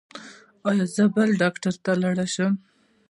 ایا زه بل ډاکټر ته لاړ شم؟